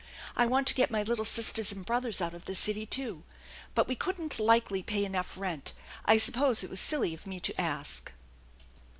I want to get my little sisters and brothers out of the city, too. But we couldn't likely pay enough rent. I suppose it was silly of me to ask."